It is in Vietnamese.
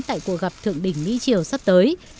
tại cuộc gặp thượng đỉnh mỹ chiều sắp tới